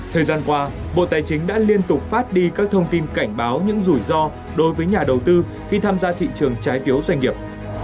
thời gian qua bộ tài chính đã liên tục phát đi các thông tin cảnh báo những rủi ro đối với nhà đầu tư khi tham gia thị trường trái phiếu doanh nghiệp